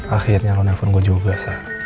akhirnya lo nelfon gue juga sa